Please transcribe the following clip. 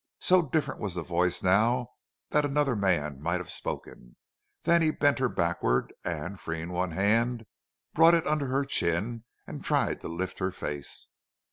So different was the voice now that another man might have spoken. Then he bent her backward, and, freeing one hand, brought it under her chin and tried to lift her face.